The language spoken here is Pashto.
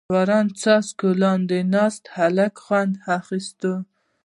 • د باران د څاڅکو لاندې ناست هلک خوند اخیست.